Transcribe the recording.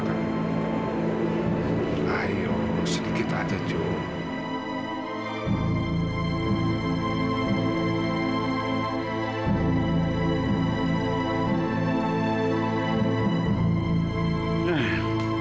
aku saya berhasil pavok jemput